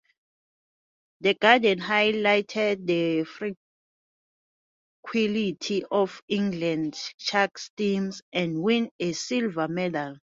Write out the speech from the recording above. The garden highlighted the fragility of England's chalk streams, and won a silver medal.